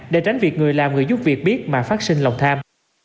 để tránh việc người làm người giúp việc biết mà phát sinh lòng tham